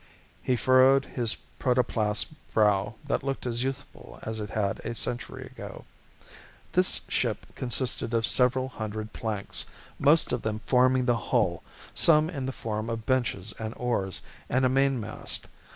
He furrowed his protoplast brow that looked as youthful as it had a century ago. "This ship consisted of several hundred planks, most of them forming the hull, some in the form of benches and oars and a mainmast.